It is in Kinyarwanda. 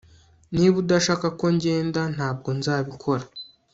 Niba udashaka ko ngenda ntabwo nzabikora